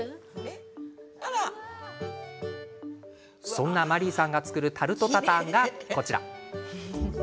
そんなマリーさんが作るタルト・タタンがこちら。